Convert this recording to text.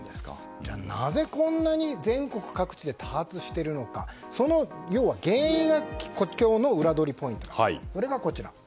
じゃあ、なぜこんなに全国各地で多発しているのか、その原因が今日のウラどりポイント。